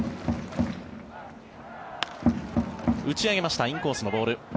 打ち上げましたインコースのボール。